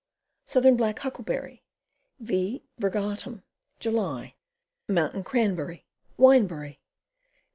Southern Black Huckleberry. V. virgatum. July. Mountain Cranberry. Windberry.